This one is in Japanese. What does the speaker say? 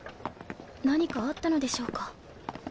何かあったのでしょうか？